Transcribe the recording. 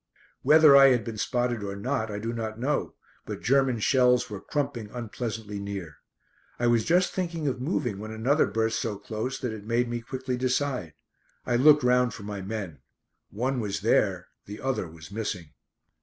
Whether I had been spotted or not, I do not know, but German shells were crumping unpleasantly near. I was just thinking of moving when another burst so close that it made me quickly decide. I looked round for my men. One was there; the other was missing.